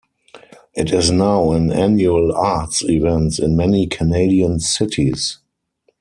It is now an annual arts events in many Canadian cities.